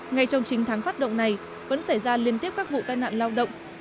ngay trong chín tháng phát động này vẫn xảy ra liên tiếp các vụ tai nạn lao động